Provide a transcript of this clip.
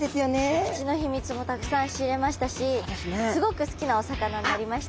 お口の秘密もたくさん知れましたしすごく好きなお魚になりました。